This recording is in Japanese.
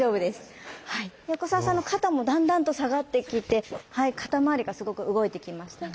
横澤さんの肩もだんだんと下がってきて肩周りがすごく動いてきました。